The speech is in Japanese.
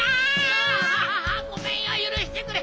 あごめんよゆるしてくれ。